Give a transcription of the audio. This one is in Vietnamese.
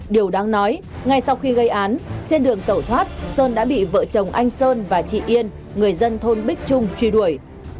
điều đáng nói ngay sau khi gây án trên đường tẩu thoát sơn đã bị vợ chồng anh sơn và chị yên người dân thôn bích trung truy đuổi